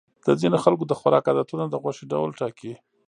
د ځینو خلکو د خوراک عادتونه د غوښې ډول ټاکي.